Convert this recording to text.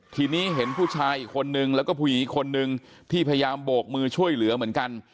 ทีนี้เห็นผู้ชายอีกคนนึงแล้วก็ผู้หญิงอีกคนนึงที่พยายามโบกมือช่วยเหลือเหมือนกัน